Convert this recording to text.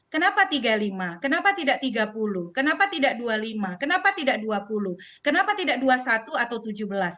kenapa tiga puluh lima kenapa tidak tiga puluh kenapa tidak dua puluh lima kenapa tidak dua puluh kenapa tidak dua puluh satu atau tujuh belas